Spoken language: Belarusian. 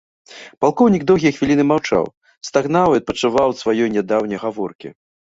Палкоўнік доўгія хвіліны маўчаў, стагнаў і адпачываў ад сваёй нядаўняй гаворкі.